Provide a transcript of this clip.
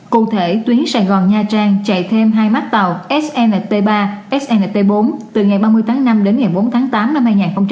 cụ thể tuyến sài gòn nha trang chạy thêm hai mắt tàu snt ba snt bốn từ ngày ba mươi tháng năm đến ngày bốn tháng tám năm hai nghìn hai mươi